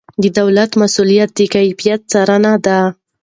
د دولت مسؤلیت د کیفیت څارنه ده.